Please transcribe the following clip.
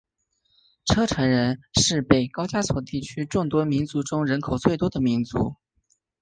车臣人是北高加索地区众多民族中人口最多的民族。